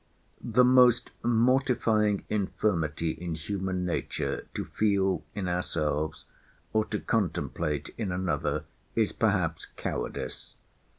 The most mortifying infirmity in human nature, to feel in ourselves, or to contemplate in another, is, perhaps, cowardice.